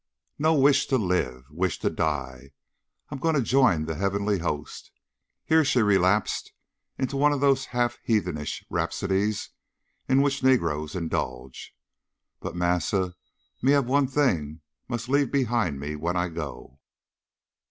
"No wish to live wish to die. I'm gwine to join the heavenly host." Here she relapsed into one of those half heathenish rhapsodies in which negroes indulge. "But, massa, me have one thing must leave behind me when I go.